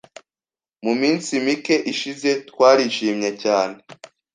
Mu minsi mike ishize, twarishimye cyane.